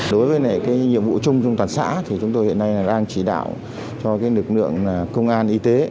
đối với nhiệm vụ chung trong toàn xã thì chúng tôi hiện nay là đang chỉ đạo cho lực lượng công an y tế